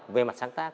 về mặt sáng tác